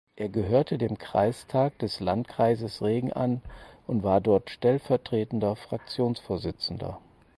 Er gehörte dem Kreistag des Landkreises Regen an und war dort stellvertretender Fraktionsvorsitzender.